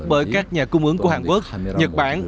bởi các nhà cung ứng của hàn quốc nhật bản